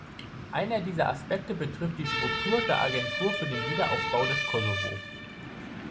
Einer dieser Aspekte betrifft die Struktur der Agentur für den Wiederaufbau des Kosovo.